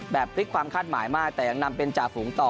พลิกความคาดหมายมากแต่ยังนำเป็นจ่าฝูงต่อ